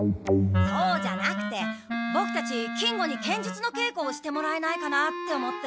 そうじゃなくてボクたち金吾に剣術のけいこをしてもらえないかなって思って。